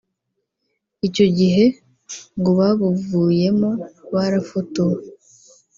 Icyo gihe ngo babuvuyemo barafotowe